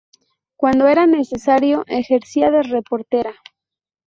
Cuando era necesario, ejercía de reportera.